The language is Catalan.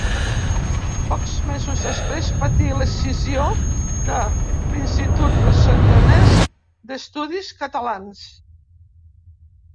Pocs mesos després patí l'escissió de l'Institut Rossellonès d'Estudis Catalans.